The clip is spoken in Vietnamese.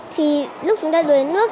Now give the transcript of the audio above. thì lúc chúng ta đuối nước